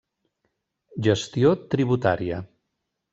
Gestió Tributària.